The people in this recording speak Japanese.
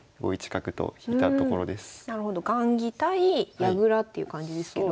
雁木対矢倉っていう感じですけど。